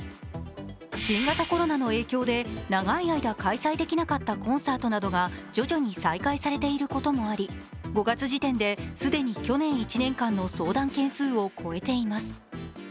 新型コロナの影響で長い間、開催できなかったコンサートなどが徐々に再開されていることもあり５月時点で既に去年１年間の相談件数を超えています。